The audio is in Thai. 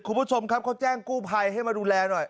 คุณผู้ชมครับเขาแจ้งกู้ภัยให้มาดูแลหน่อย